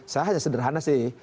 saya hanya sederhana sih